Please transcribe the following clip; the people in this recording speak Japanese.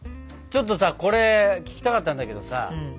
ちょっとさこれ聞きたかったんだけどさ